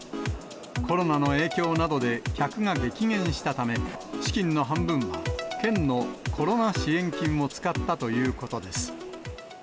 コロナの影響などで客が激減したため、資金の半分は県のコロナ支援金を使ったということです。